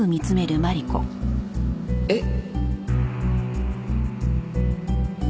えっ。